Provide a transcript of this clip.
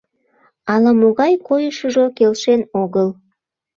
— Ала-могай койышыжо келшен огыл.